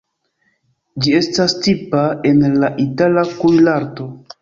Ĝi estas tipa en la itala kuirarto.